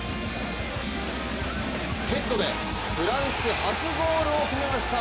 ヘッドでフランス初ゴールを決めました。